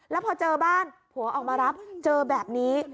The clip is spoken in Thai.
แล้วพอเจอบ้านผัวออกมารับเจอแบบนี้